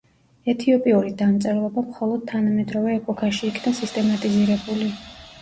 ეთიოპიური დამწერლობა მხოლოდ თანამედროვე ეპოქაში იქნა სისტემატიზირებული.